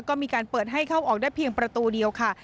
ก็มีการเปิดให้เข้าออกได้เพียงประตูเดียวค่ะ